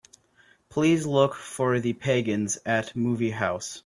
Please look for The Pagans at movie house.